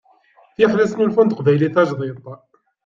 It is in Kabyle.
Fiḥel asnulfu n teqbaylit tajdidt.